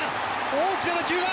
大きな打球だ。